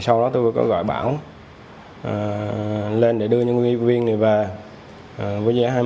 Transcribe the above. sau đó tôi có gọi bảo lên để đưa nhân viên này về với giá hai mươi triệu